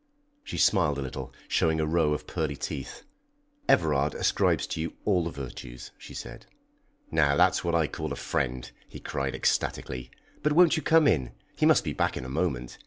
She smiled a little, showing a row of pearly teeth. "Everard ascribes to you all the virtues," she said. "Now that's what I call a friend!" he cried ecstatically. "But won't you come in? He must be back in a moment.